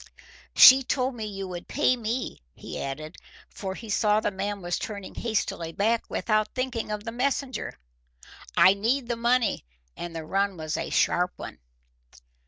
She told me you would pay me," he added, for he saw the man was turning hastily back, without thinking of the messenger. "I need the money, and the run was a sharp one."